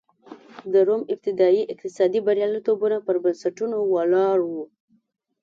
د روم ابتدايي اقتصادي بریالیتوبونه پر بنسټونو ولاړ و